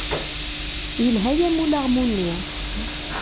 Yelha-yam ulaɣmu-nni.